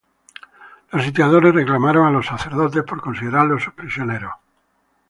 Los sitiadores reclamaron a los dos sacerdotes, por considerarlos sus prisioneros.